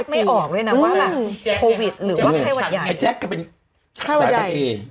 เพราะบางคนแยกไม่ออกด้วยนะไข้หวัดใหญ่